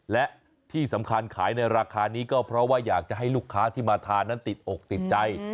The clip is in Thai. และที่สำคัญขายในราคานี้ก็เพราะว่าอยากจะให้ลูกค้าที่มาทานนั้นติดอกติดใจ